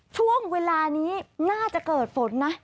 ช่วงเวลานี้น่าจะเกิดฝนนะ